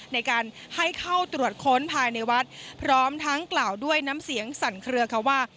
ในการให้เข้าตรวจค้นภายในวัดพร้อมทั้งกล่าวด้วยน้ำเสียงสั่นเคลือค่ะว่า